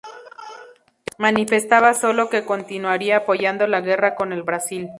Manifestaba solo que continuaría apoyando la guerra con el Brasil.